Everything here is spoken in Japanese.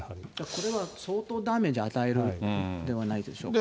これは相当ダメージ与えるんではないでしょうか。